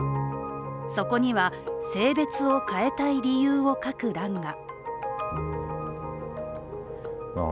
そこには性別を変えたい理由を書く欄が。